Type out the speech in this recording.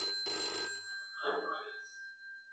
بې ځايه مصارف کول لويه ګناه ده.